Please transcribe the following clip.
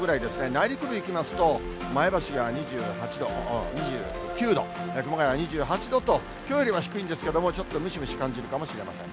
内陸部いきますと、前橋が２８度、２９度、熊谷が２８度と、きょうよりは低いんですけれども、ちょっとムシムシ感じるかもしれません。